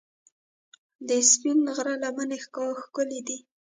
د سپین غر لمنې ښکلې دي